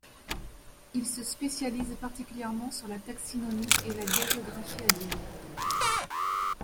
Il se spécialise particulièrement sur la taxinomie et la biogéographie aviennes.